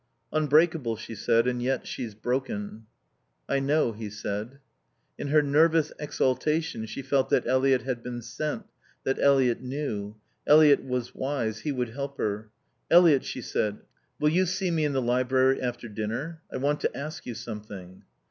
"Unbreakable," she said. "And yet she's broken." "I know," he said. In her nervous exaltation she felt that Eliot had been sent, that Eliot knew. Eliot was wise. He would help her. "Eliot " she said. "Will you see me in the library after dinner? I want to ask you something."